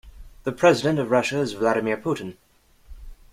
The president of Russia is Vladimir Putin.